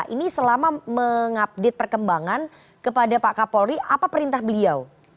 ini selama mengupdate perkembangan kepada pak kapolri apa perintah beliau